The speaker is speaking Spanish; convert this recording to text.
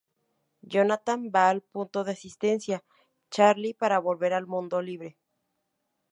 Jonathan va al Punto de asistencia Charlie para volver al mundo libre.